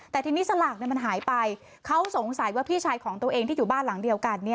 แต่ทีนี้สลากมันหายไปเขาสงสัยว่าพี่ชายของตัวเองที่อยู่บ้านหลังเดียวกัน